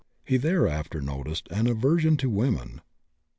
He thereafter noticed an aversion to women.